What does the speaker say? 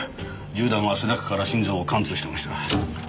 銃弾は背中から心臓を貫通してました。